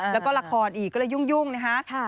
แล้วก็ละครอีกก็เลยยุ่งนะคะ